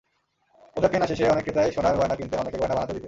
পোশাক কেনা শেষে অনেক ক্রেতাই সোনার গয়না কিনতেন, অনেকে গয়না বানাতেও দিতেন।